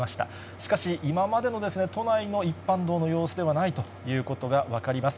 しかし、今までの都内の一般道の様子ではないということが分かります。